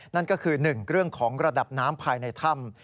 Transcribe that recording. นั่นก็คือ๑เรื่องของระดับน้ำภายในถ้ำ